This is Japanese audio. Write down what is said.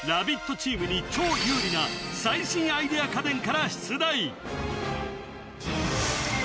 チームに超有利な最新アイデア家電から出題